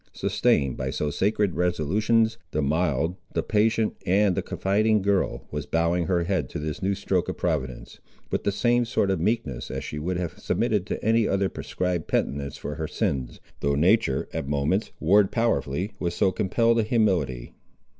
Sustained by so sacred resolutions, the mild, the patient and the confiding girl was bowing her head to this new stroke of Providence, with the same sort of meekness as she would have submitted to any other prescribed penitence for her sins, though nature, at moments, warred powerfully, with so compelled a humility.